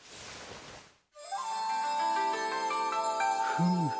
フム。